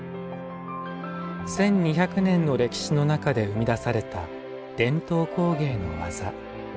１２００年の歴史の中で生み出された伝統工芸の技。